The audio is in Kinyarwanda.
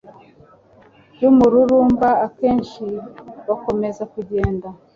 ry’umururumba akenshi bakomeza kugenda